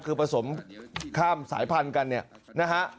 คือผสมข้ามสายพันธุ์กันเนี่ยนะฮะ